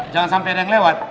jangan sampai ada yang lewat